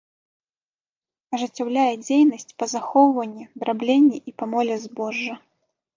Ажыццяўляе дзейнасць па захоўванні, драбненні і памоле збожжа.